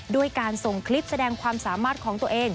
ด้วยการส่งคลิปแสดงความสามารถของตัวเอง